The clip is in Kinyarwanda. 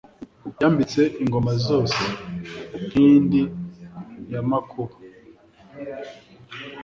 Yambitse ingoma zose nkindi ya Makuba,